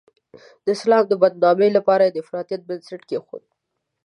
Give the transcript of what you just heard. د اسلام د بدنامۍ لپاره یې د افراطیت بنسټ کېښود.